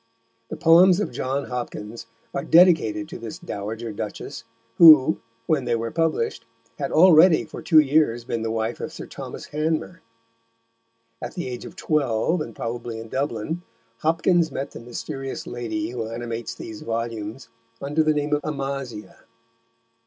The poems of John Hopkins are dedicated to this Dowager duchess, who, when they were published, had already for two years been the wife of Sir Thomas Hanmer. At the age of twelve, and probably in Dublin, Hopkins met the mysterious lady who animates these volumes under the name of Amasia.